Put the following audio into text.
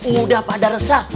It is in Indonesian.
udah pada resah